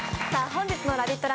本日のラヴィット！